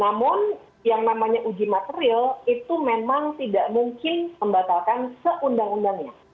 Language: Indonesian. namun yang namanya uji materi itu memang tidak mungkin membatalkan se undang undangnya